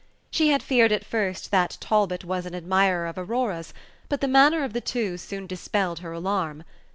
She had feared at first that Talbot was an admirer of Aurora's; but the manner of the two soon dispelled her alarm.